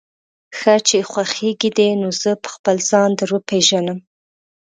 ښه چې خوښېږي دې، نو زه به خپله ځان در وپېژنم.